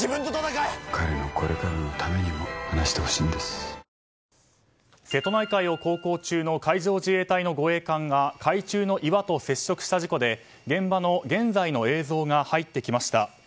ピンポーン瀬戸内海を航行中の海上自衛隊の護衛艦が海中の岩と接触した事故で現場の現在の映像が入ってきました。